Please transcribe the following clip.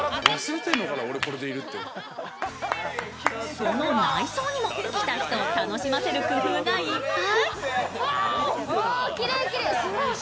その内装にも来た人を楽しませる工夫がいっぱい。